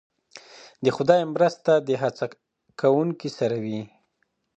د خدای مرسته د هڅه کوونکو سره وي.